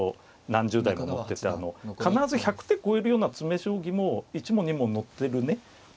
何十題も載ってて必ず１００手超えるような詰め将棋も１問２問載ってるね